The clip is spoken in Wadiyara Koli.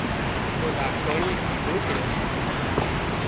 تو ڊاڪٽرانئي ڪيڌون ڪي